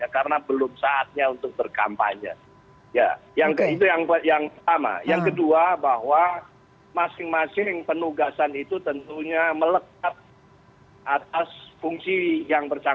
ketua dpp pdi perjuangan